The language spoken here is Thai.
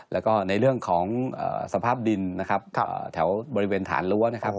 แล้วก็ในเรื่องของสภาพดินนะครับแถวบริเวณฐานรั้วนะครับ